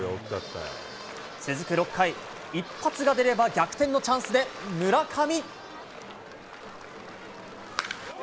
続く６回、一発が出れば逆転のチャンスで村上。